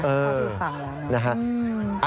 เพราะที่ฟังแล้วนะ